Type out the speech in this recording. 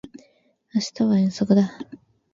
明日は遠足だ